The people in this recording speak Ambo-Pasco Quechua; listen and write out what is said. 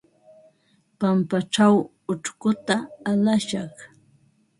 Pampaćhaw ućhkuta alashaq.